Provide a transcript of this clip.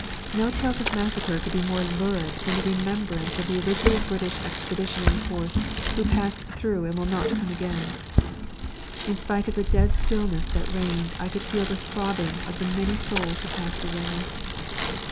No tales of massacre could be more lurid than the remembrance of the original British Expeditionary Force who passed through and will not come again. In spite of the dead stillness that reigned I could feel the throbbing of the many souls who passed away.